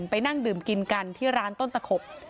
นั่งดื่มกินกันที่ร้านต้นตะขบ